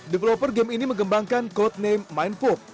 developer game ini mengembangkan codename mindful